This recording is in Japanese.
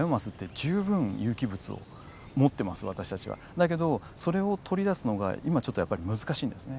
だけどそれを取り出すのが今ちょっとやっぱり難しいんですね。